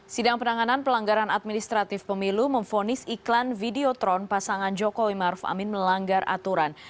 sidang penanganan pelanggaran administratif pemilu memfonis iklan videotron pasangan jokowi maruf amin melanggar aturan